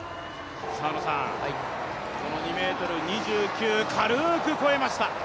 この２ｍ２９、軽く越えました。